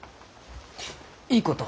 いいこと？